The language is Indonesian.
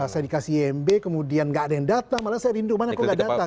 saya dikasih imb kemudian gak ada yang datang malah saya rindu mana kok gak datang